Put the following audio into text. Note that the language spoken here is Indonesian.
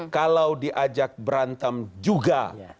kalau diajak berantem juga